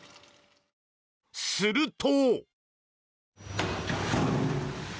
すると。